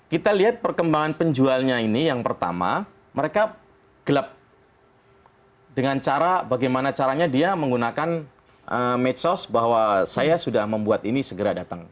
kita lihat perkembangan penjualnya ini yang pertama mereka gelap dengan cara bagaimana caranya dia menggunakan medsos bahwa saya sudah membuat ini segera datang